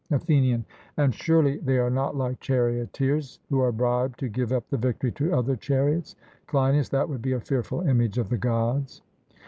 ATHENIAN: And surely they are not like charioteers who are bribed to give up the victory to other chariots? CLEINIAS: That would be a fearful image of the Gods.